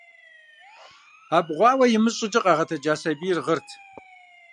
Абгъуауэ имыщӀ щӀыкӀэ къагъэтэджа сабийр гъырт.